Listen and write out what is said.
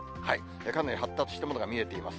かなり発達したものが見えています。